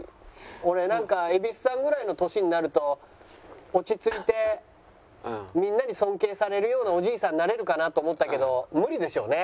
俺蛭子さんぐらいの年になると落ち着いてみんなに尊敬されるようなおじいさんになれるかなと思ったけど無理でしょうね。